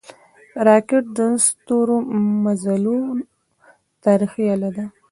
راکټ د ستورمزلو تاریخي اله ده